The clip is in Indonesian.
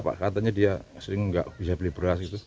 pak katanya dia sering nggak bisa beli beras gitu